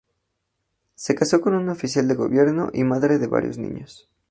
Se casó con un oficial de gobierno; y, madre de varios niños.